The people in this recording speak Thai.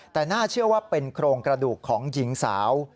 แต่น่าเชื่อว่าเป็นโครงกระดูกของหญิงสาว